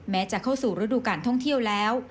จะเข้าสู่ฤดูการท่องเที่ยวแล้ว